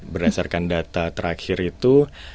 berdasarkan data terakhir itu